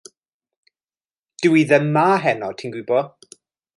Dyw hi ddim 'ma heno ti'n gw'bod.